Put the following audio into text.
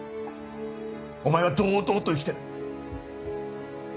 お前は堂々と生きてる。